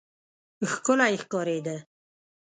ښکلی ښکارېده.